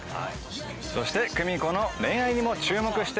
そして久美子の恋愛にも注目してください。